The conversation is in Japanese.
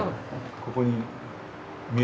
ここに見えます？